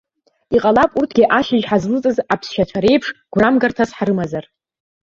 Иҟалап урҭгьы ашьыжь ҳазлыҵыз аԥсшьацәа реиԥш гәрамгарҭас ҳрымазар.